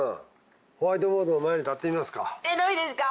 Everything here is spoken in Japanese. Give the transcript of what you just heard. ホワイトボードの前に立ってみますか。